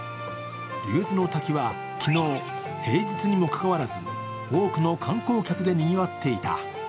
竜頭の滝は昨日、平日にもかかわらず多くの観光客でにぎわっていた。